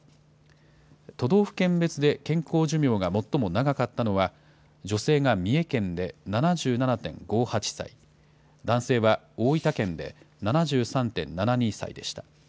都道府県別で健康寿命が最も長かったのは、女性が三重県で７７．５８歳、男性は大分県で７３．７２歳でした。